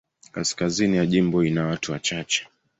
Kaskazini ya jimbo ina watu wachache.